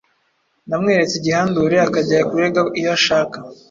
Namweretse igihandure akajya kurega iyo ashaka!